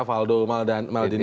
waldo maldini yang mengatakan